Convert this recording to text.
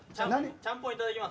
ちゃんぽんいただきます。